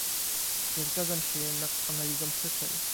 Nie zgadzam się jednak z analizą przyczyn